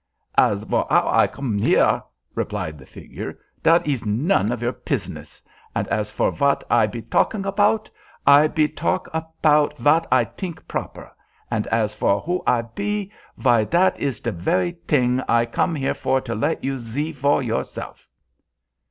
"As vor ow I com'd ere," replied the figure, "dat iz none of your pizziness; and as vor vat I be talking apout, I be talk apout vat I tink proper; and as vor who I be, vy dat is de very ting I com'd here for to let you zee for yourself."